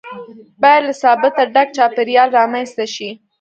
باید له ثباته ډک چاپیریال رامنځته شي.